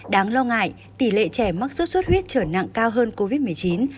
đáng lo ngại tỷ lệ trẻ mắc sốt xuất huyết trở nặng cao hơn covid một mươi chín